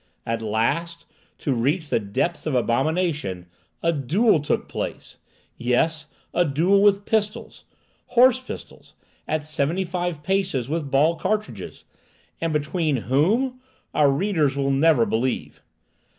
At last,—to reach the depths of abomination,—a duel took place! Yes, a duel with pistols—horse pistols—at seventy five paces, with ball cartridges. And between whom? Our readers will never believe!